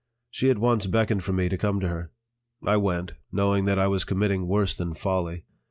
She at once beckoned for me to come to her. I went, knowing that I was committing worse than folly.